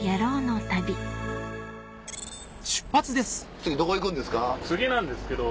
次どこ行くんですか？